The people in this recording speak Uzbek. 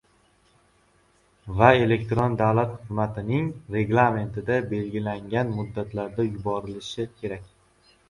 va elektron davlat xizmatining reglamentida belgilangan muddatlarda yuborilishi kerak.